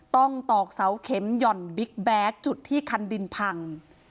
ตอกเสาเข็มหย่อนบิ๊กแบ็คจุดที่คันดินพัง